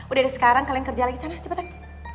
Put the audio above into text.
udah dari sekarang kalian kerja lagi sana cepetan